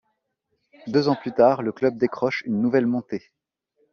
Deux ans plus tard, le club décroche une nouvelle montée.